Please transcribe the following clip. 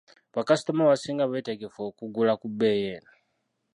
Bakasitoma abasinga beetegefu okugula ku bbeeyi eno?